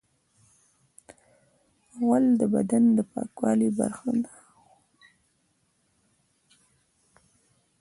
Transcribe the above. غول د بدن د پاکوالي برخه ده.